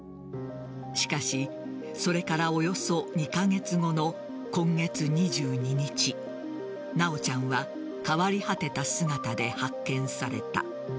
しかしそれからおよそ２カ月後の今月２２日修ちゃんは変わり果てた姿で発見された。